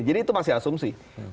jadi itu masih asumsi